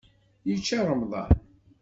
Yečča remḍan.